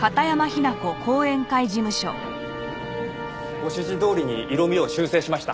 ご指示どおりに色味を修整しました。